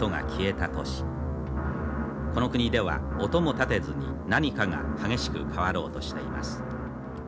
この国では音も立てずに何かが激しく変わろうとしています